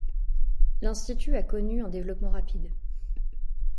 L'institut a connu un développement rapide.